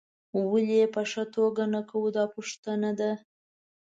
ولې یې په ښه توګه نه کوو دا پوښتنه ده.